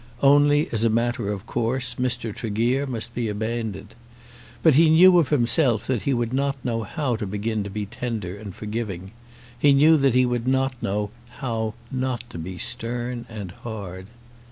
Only, as a matter of course, Mr. Tregear must be abandoned. But he knew of himself that he would not know how to begin to be tender and forgiving. He knew that he would not know how not to be stern and hard.